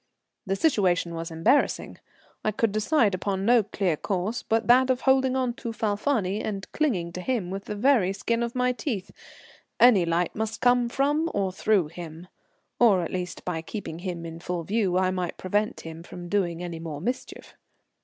The situation was embarrassing. I could decide upon no clear course but that of holding on to Falfani and clinging to him with the very skin of my teeth; any light must come from or through him, or at least by keeping him in full view I might prevent him from doing any more mischief.